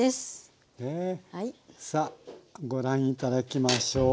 さあご覧頂きましょう。